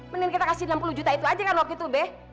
mending kita kasih enam puluh juta itu aja kan waktu itu beh